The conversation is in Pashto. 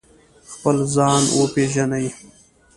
خپل ځان وپیژنئ